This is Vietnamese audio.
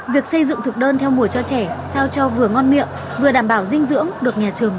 việc xây dựng thực đơn theo mùa cho trẻ sao cho vừa ngon miệng vừa đảm bảo dinh dưỡng được nhà trường